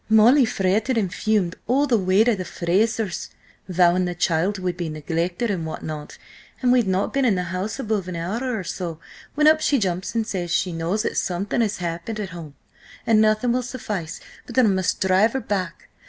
"Molly fretted and fumed all the way to the Frasers, vowing the child would be neglected, and what not, and we'd not been in the house above an hour or so, when up she jumps and says she knows that something has happened at home, and nothing will suffice but that I must drive her back.